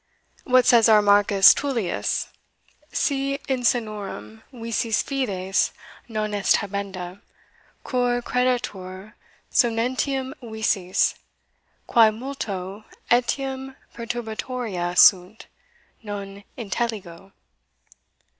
What says our Marcus Tullius Si insanorum visis fides non est habenda, cur credatur somnientium visis, quae multo etiam perturbatiora sunt, non intelligo."